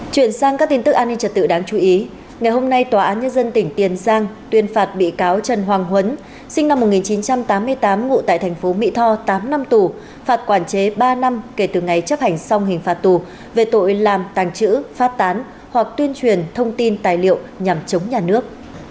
chuyển sang các tin tức an ninh trật tự đáng chú ý ngày hôm nay tòa án nhân dân tỉnh tiền giang tuyên phạt bị cáo trần hoàng huấn sinh năm một nghìn chín trăm tám mươi tám ngụ tại thành phố mỹ tho tám năm tù phạt quản chế ba năm kể từ ngày chấp hành xong hình phạt tù về tội làm tàng trữ phát tán hoặc tuyên truyền thông tin tài liệu nhằm chống nhà nước